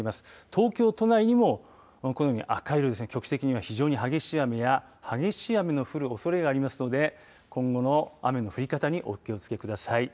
東京都内にも、このように赤色激しい雨の降るおそれがありますので今後の雨の降り方にお気をつけください。